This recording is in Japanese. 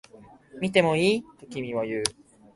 見てもいい？と君は言う